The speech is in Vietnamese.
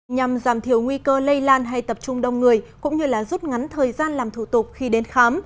nhằm giảm thiểu nguy cơ lây lan hay tập trung đông người cũng như rút ngắn thời gian làm thủ tục khi đến khám